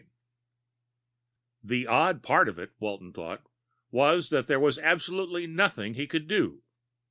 IX The odd part of it, Walton thought, was that there was absolutely nothing he could do.